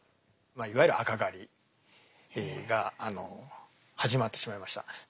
いわゆる「赤狩り」が始まってしまいました。